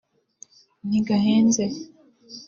ntigahenze